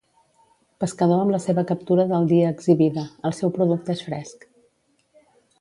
Pescador amb la seva captura del dia exhibida, el seu producte és fresc.